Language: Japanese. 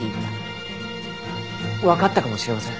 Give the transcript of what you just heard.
わかったかもしれません。